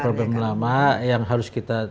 problem lama yang harus kita